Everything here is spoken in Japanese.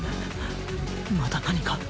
まだ何か？